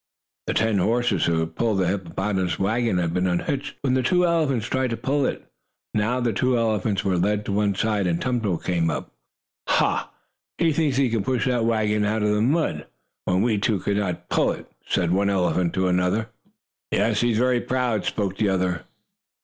The ten horses who pulled the hippopotamus wagon had been unhitched when the two elephants tried to pull it. Now the two elephants were led to one side, and Tum Tum came up. "Ha! He thinks he can push that wagon out of the mud, when we two could not pull it," said one elephant to the other. "Yes, he is very proud," spoke the other.